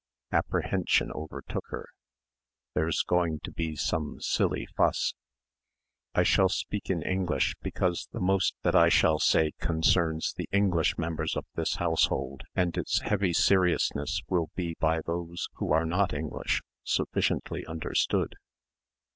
Apprehension overtook her ... "there's going to be some silly fuss." "I shall speak in English, because the most that I shall say concerns the English members of this household and its heavy seriousness will be by those who are not English, sufficiently understood."